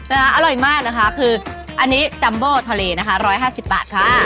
อร่อยมากนะคะคืออันนี้จัมโบทะเลนะคะ๑๕๐บาทค่ะ